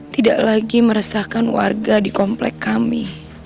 tidak lagi meresahkan warga di komplek kami